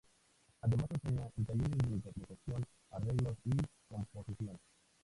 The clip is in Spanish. Además enseña en talleres de interpretación, arreglos y composición.